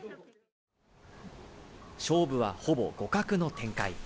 勝負は、ほぼ互角の展開。